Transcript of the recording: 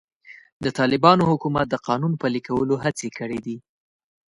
د طالبانو حکومت د قانون پلي کولو هڅې کړې دي.